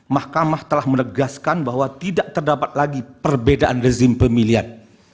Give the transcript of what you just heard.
mahkamah telah menegaskan bahwa tidak terdapat lagi perbedaan rezim pemilihan